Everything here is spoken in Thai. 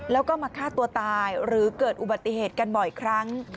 แล้วก็มาฆ่าตัวตายหรือเกิดอุบัติเหตุกันบ่อยครั้ง